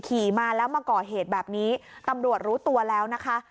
ขี่มาแล้วมาก่อเหตุแบบนี้ตำรวจรู้ตัวแล้วนะคะ